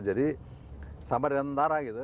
jadi sama dengan tentara gitu